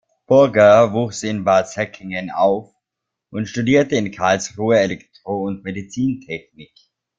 Burger wuchs in Bad Säckingen auf und studierte in Karlsruhe Elektro- und Medizintechnik.